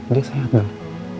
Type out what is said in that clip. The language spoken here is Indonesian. dia sehat dong